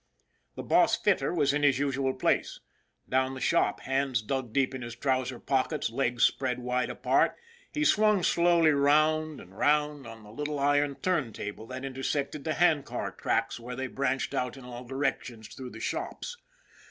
The boss fitter was in his usual place. Down the shop, hands dug deep in his trousers pockets, legs spread wide apart, he swung slowly round and round on the little iron turntable that intersected the hand car tracks where they branched out in all directions through the shops.